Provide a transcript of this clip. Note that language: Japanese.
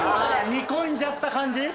煮込んじゃった感じ？